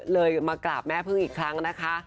เลยมากราบแม่พึ่งอีกครั้งนะคะ